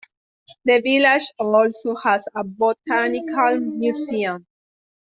The village also has a botanical museum.